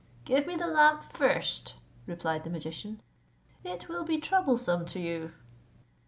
"Give me the lamp first," replied the magician; "it will be troublesome to you."